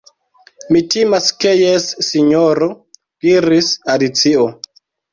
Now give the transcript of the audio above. "Mi timas ke jes, Sinjoro," diris Alicio. "